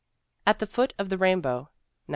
At the Foot of the Rainbow, 1908.